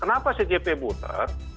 kenapa cjp putar